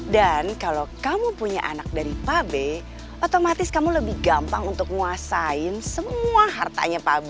dan kalau kamu punya anak dari mas b otomatis kamu lebih gampang untuk nguasain semua hartanya mas b